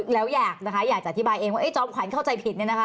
แล้วอยากจะอธิบายเองว่าจอมขวัญเข้าใจผิด